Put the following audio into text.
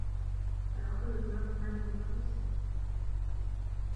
العقل يُهَابُ ما لا يُهابُ السيف